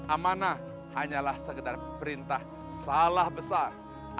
amanah hanyalah sekedar perintah salah besar